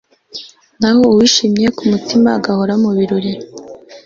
naho uwishimye ku mutima agahora mu birori